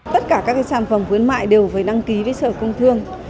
tất cả các sản phẩm khuyến mại đều phải đăng ký với sở công thương